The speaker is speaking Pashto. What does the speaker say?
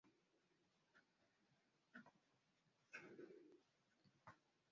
افغانستان په سرحدونه غني دی.